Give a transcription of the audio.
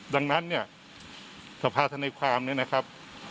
ดังนั้นเนี่ยสภาธนาความเนี่ยนะครับ